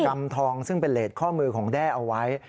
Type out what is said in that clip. ำทองซึ่งเป็นเลสข้อมือของแด้เอาไว้